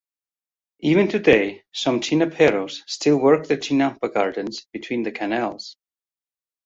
Even today, some "chinamperos" still work their chinampa gardens between the canals.